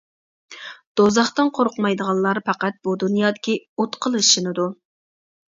دوزاختىن قورقمايدىغانلار پەقەت بۇ دۇنيادىكى ئوتقىلا ئىشىنىدۇ.